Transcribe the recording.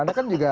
ada kan juga